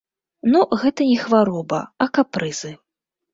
Ну, гэта не хвароба, а капрызы.